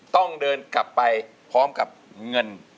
ต้องเดินกลับไปพร้อมกับเงิน